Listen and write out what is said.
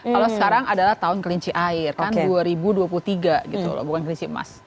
kalau sekarang adalah tahun kelinci air kan dua ribu dua puluh tiga gitu loh bukan kelinci emas